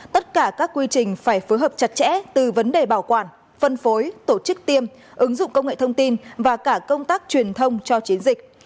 tất cả các quy trình phải phối hợp chặt chẽ từ vấn đề bảo quản phân phối tổ chức tiêm ứng dụng công nghệ thông tin và cả công tác truyền thông cho chiến dịch